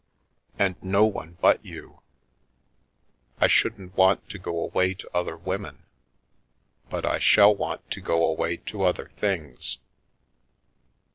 And no one but you. I shouldn't want to go away to other women, but I shall want to go away to other things.